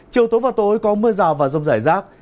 chiều tối và tối có mưa rào và rông rải rác